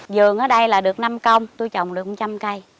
dường ở đây là được năm cong tôi trồng được một trăm linh cây